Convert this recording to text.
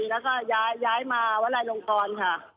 แล้วก็ย้ายมาวลัยลงกรค่ะ